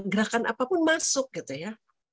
gerakan apapun masuk gitu ya